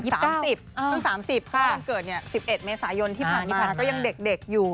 ตอนเกิด๑๑เมษายนที่ผ่านมาต้องคือเด็กอยู่